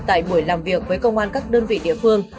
tại buổi làm việc với công an các đơn vị địa phương